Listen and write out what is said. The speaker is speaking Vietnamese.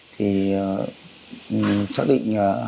thì xác định